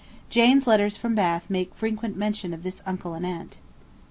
Jane's letters from Bath make frequent mention of this uncle and aunt.